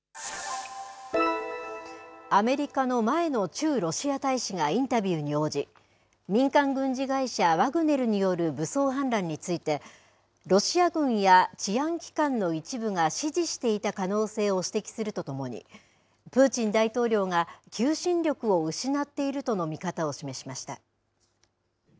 アメリカの前の駐ロシア大使がインタビューに応じ民間軍事会社ワグネルによる武装反乱についてロシア軍や治安機関の一部が指示していた可能性を指摘するとともにプーチン大統領が求心力を失っているとの見方を示しました。